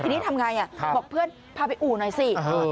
ทีนี้ทำไงบอกเพื่อนพาไปอู่หน่อยสิ